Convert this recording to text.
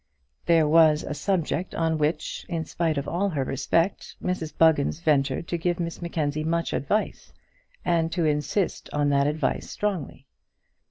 There was a subject on which, in spite of all her respect, Mrs Buggins ventured to give Miss Mackenzie much advice, and to insist on that advice strongly.